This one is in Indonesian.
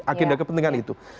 agenda kepentingan itu